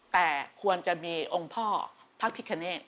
แต่ควรจะมีองค์พ่อพระพิคเนต